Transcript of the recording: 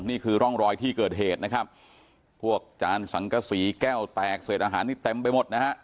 นี่คือร่องรอยที่เกิดเหตุนะครับพวกจานสังกษีแก้วแตกเศษอาหารนี่เต็มไปหมดนะฮะ